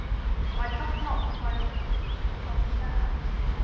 'I trust not, my lord,' responded Herbert.